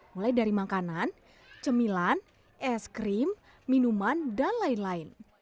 mulai dari makanan cemilan es krim minuman dan lain lain